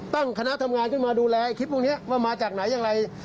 ตั้งคณะทำงานขึ้นมาดูแลคลิปพวกนี้ว่ามาจากไหนอย่างไร